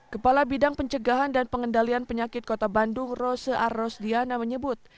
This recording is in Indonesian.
kepala bidang pencegahan dan pengendalian penyakit kota bandung rose arrosdiana menyebut